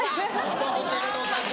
アパホテルの社長。